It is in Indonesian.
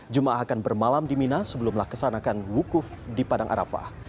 jemaah akan bermalam di mina sebelumlah kesanakan wukuf di padang arafah